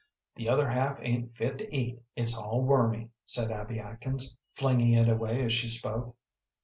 "The other half ain't fit to eat, it's all wormy," said Abby Atkins, flinging it away as she spoke.